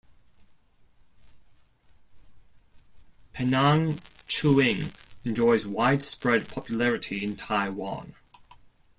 Pinang chewing enjoys widespread popularity in Taiwan.